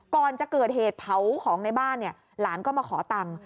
ก่อนจะเกิดเหตุเผาของในบ้านเนี่ยหลานก็มาขอตังค์